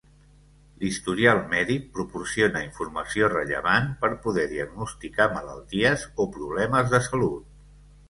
L'historial mèdic proporciona informació rellevant per poder diagnosticar malalties o problemes de salut.